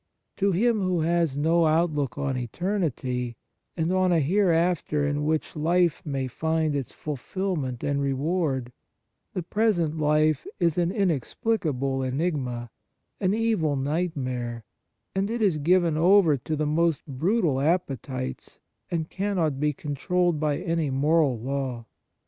To him who has no out look on eternity, and on a hereafter in which life may find its fulfilment and reward, the present life is an inexplicable enigma, an evil night mare, and it is given over to the most brutal appetites and cannot be controlled by any moral law.